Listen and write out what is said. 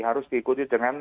harus diikuti dengan